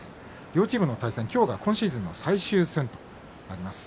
両チームの対戦は今日が今シーズンの最終戦となります。